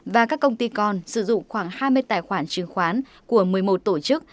và các công ty con sử dụng khoảng hai mươi tài khoản chứng khoán của một mươi một tổ chức